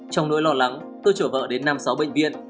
trong nỗi lo lắng tôi chở vợ đến năm sáu bệnh viện